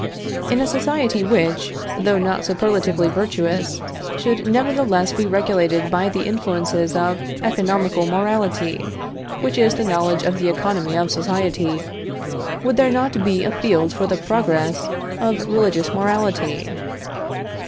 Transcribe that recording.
In a society which, though not superlatively virtuous, should nevertheless be regulated by the influences of economical morality (which is the knowledge of the economy of society), would there not be a field for the progress of religious morality?